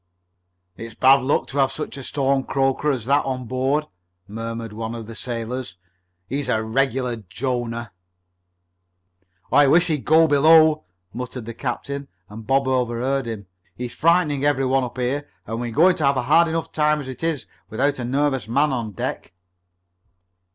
"It's bad luck to have such a storm croaker as that aboard," murmured one of the sailors. "He's a regular Jonah!" "I wish he'd go below," muttered the captain, and Bob overheard him. "He's frightening every one up here, and we're going to have a hard enough time as it is without a nervous man on deck."